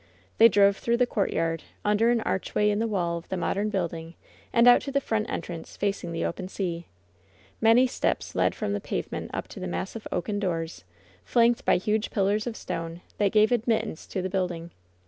They drove through the courtyard, under an archway in the wall of the modem building, and out to the front entrance, facing the open sea. Many steps led from the pavement up to the massive oaken doors, flanked by huge pillars of stone, that gave admittance to the building.